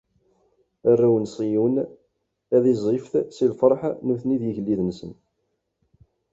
Arraw n Ṣiyun ad ẓẓifet si lferḥ nutni d ugellid-nsen!